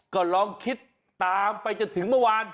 ก็ลองคิดตามไปจนถึงเมื่อวาน